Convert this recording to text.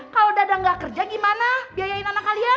kalo dadang gak kerja gimana biayain anak kalian